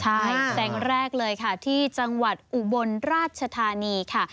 ใช่แสงแรกเลยค่ะที่จังหวัดอุบลราชธานีค่ะ